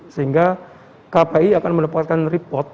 sehingga kpi akan mendapatkan report